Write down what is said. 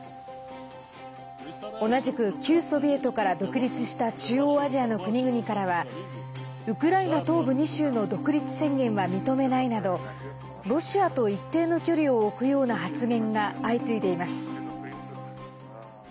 同じく旧ソビエトから独立した中央アジアの国々からはウクライナ東部２州の独立宣言は認めないなどロシアと一定の距離を置くような発言が相次いでいます。